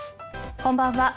こんばんは。